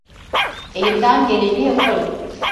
Elimden geleni yaparım.